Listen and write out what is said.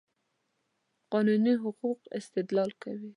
قانوني حقوقو استدلال کوي.